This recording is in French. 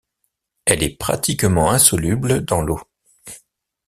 Elle est pratiquement insoluble dans l'eau.